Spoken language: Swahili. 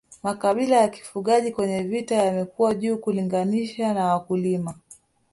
Makabila ya kifugaji kwenye vita yamekuwa juu kulinganisha na wakulima